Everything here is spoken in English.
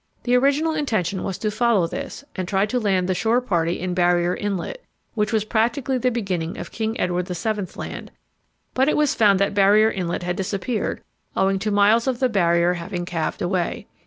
The original intention was to follow this, and try to land the shore party in Barrier Inlet, which was practically the beginning of King Edward VII. Land; but it was found that Barrier Inlet had disappeared, owing to miles of the Barrier having calved away.